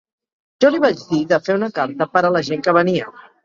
Jo li vaig dir de fer una carta per a la gent que venia.